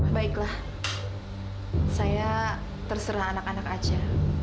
baiklah saya terserah anak anak aja